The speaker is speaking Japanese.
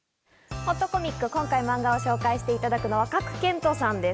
ほっとコミック、今回マンガを紹介していただくのは賀来賢人さんです。